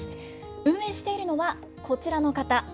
運営しているのは、こちらの方。